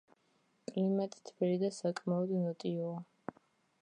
კლიმატი თბილი და საკმაოდ ნოტიოა.